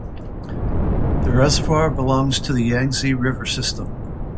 The Reservoir belongs to the Yangtze River system.